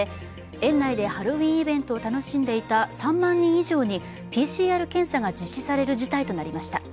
園内でハロウィーンイベントを楽しんでいた３万人以上にＰＣＲ検査が実施される事態となりました。